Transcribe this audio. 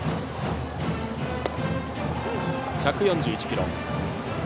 １４１キロ。